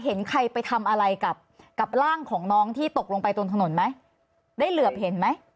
เห็นใครไปทำอะไรกับกับร่างของน้องที่ตกลงไปตรงถนนไหมได้เหลือบเห็นไหม